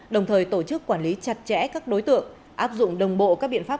đồng thời tổ chức quản lý chặt chẽ các đối tượng áp dụng đồng bộ các biện pháp